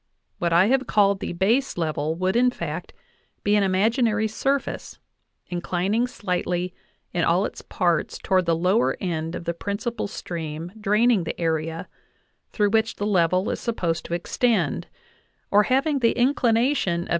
... What I have called the base level would, in fact, be an imag inary surface, inclining slightly in all its parts toward the lower end of the principal stream draining the area through which the level is supposed to extend, or having the inclination of.